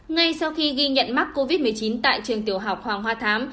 ngay sau khi ghi nhận mắc covid một mươi chín tại trường tiểu học hoàng hoa thám